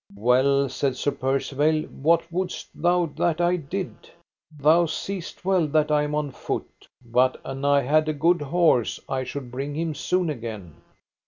Well, said Sir Percivale, what wouldst thou that I did? Thou seest well that I am on foot, but an I had a good horse I should bring him soon again.